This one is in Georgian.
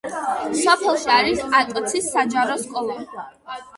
სოფელში არის ატოცის საჯარო სკოლა.